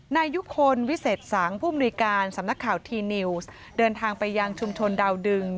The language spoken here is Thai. นายยุคลวิเศษสังผู้มนุยการสำนักข่าวทีนิวส์เดินทางไปยังชุมชนดาวดึง